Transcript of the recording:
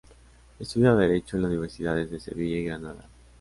Estudia Derecho en las universidades de Sevilla y Granada.